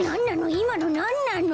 いまのなんなの？